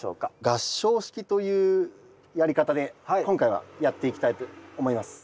合掌式というやり方で今回はやっていきたいと思います。